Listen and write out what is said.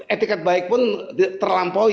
etiket baik pun terlampaui